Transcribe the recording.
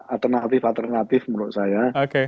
alternatif alternatif menurut saya